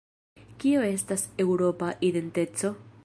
Kio estas Eŭropa identeco?